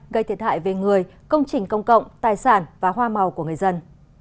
gây thiệt hại về người công trình công cộng tài sản và hoa màu của người dân